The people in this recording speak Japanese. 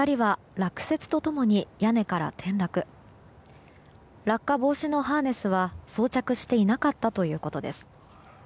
落下防止のハーネスは装着していなかったということです。